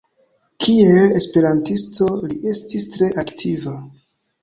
Kiel esperantisto li estis tre aktiva.